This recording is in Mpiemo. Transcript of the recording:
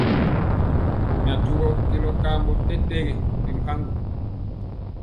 Najubu kelɔ kambɔ tɛtɛgi ri mpaŋgo.